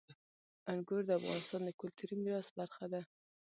انګور د افغانستان د کلتوري میراث برخه ده.